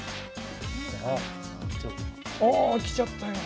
ああきちゃったよ。